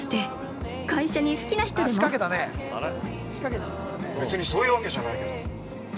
◆べ、別にそういうわけじゃないけど。